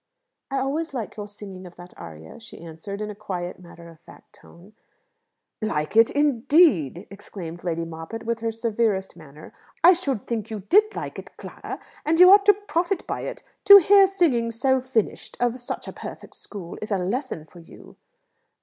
"I always like your singing of that aria," she answered, in a quiet, matter of fact tone. "Like it, indeed!" exclaimed Lady Moppett, with her severest manner. "I should think you did like it, Clara! And you ought to profit by it. To hear singing so finished of such a perfect school is a lesson for you."